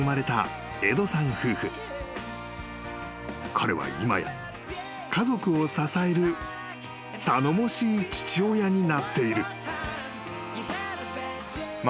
［彼は今や家族を支える頼もしい父親になっている］